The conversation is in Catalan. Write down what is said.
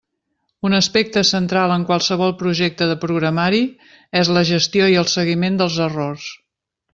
Un aspecte central en qualsevol projecte de programari és la gestió i el seguiment dels errors.